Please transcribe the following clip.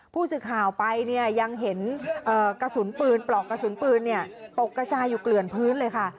ผู้สื่อข่าวไปเนี่ยยังเห็นกระสุนปืนปลอกกระสุนปืนตกกระจายอยู่เกลื่อนพื้นเลยค่ะ